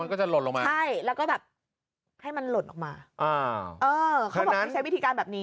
มันก็จะหล่นลงมาใช่แล้วก็แบบให้มันหล่นออกมาอ่าเออเขาบอกต้องใช้วิธีการแบบนี้